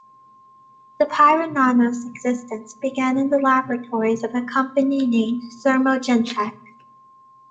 The Pyronanos existence began in the laboratories of a company named Thermogentech.